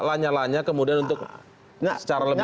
lanya lanya kemudian untuk secara lebih jelas